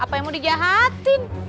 apa yang mau dijahatin